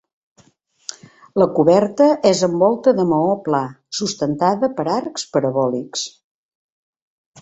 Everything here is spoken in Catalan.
La coberta és amb volta de maó pla sustentada per arcs parabòlics.